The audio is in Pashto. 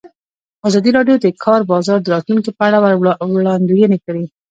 ازادي راډیو د د کار بازار د راتلونکې په اړه وړاندوینې کړې.